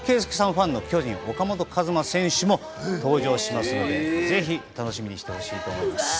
ファンの巨人・岡本和真選手も登場しますので、ぜひお楽しみにしてください。